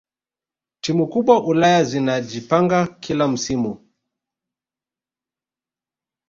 timu kubwa ulaya zinajipanga kila msimu